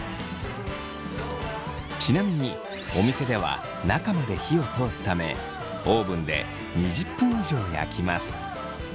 ちなみにお店では中まで火を通すためオーブンで２０分以上焼きます。